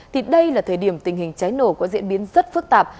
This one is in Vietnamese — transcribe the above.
thì đây là thời điểm tình hình cháy nổ có diễn biến rất phức tạp